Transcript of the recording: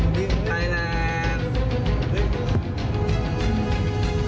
ไทยแล้ว